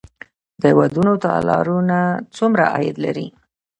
د ودونو تالارونه څومره عاید لري؟